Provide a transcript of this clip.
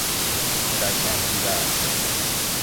And I can't do that.